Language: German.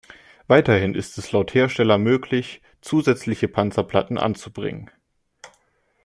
Weiterhin ist es laut Hersteller möglich, zusätzliche Panzerplatten anzubringen.